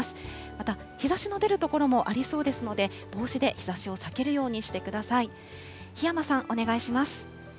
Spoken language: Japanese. また、日ざしの出る所もありそうですので、帽子で日ざしを避けるようにしてください。